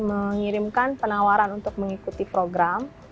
mengirimkan penawaran untuk mengikuti program